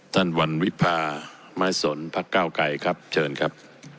วันวิพาไม้สนพักเก้าไกรครับเชิญครับ